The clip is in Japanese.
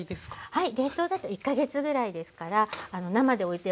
はい。